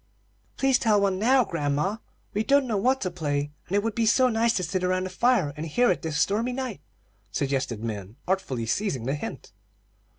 "Please tell one now, grandma. We don't know what to play, and it would be so nice to sit around the fire and hear it this stormy night," suggested Min, artfully seizing the hint.